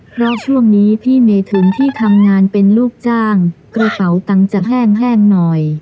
เพราะช่วงนี้พี่เมทุนที่ทำงานเป็นลูกจ้างกระเป๋าตังค์จะแห้งหน่อย